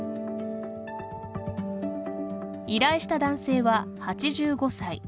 依頼した男性は８５歳。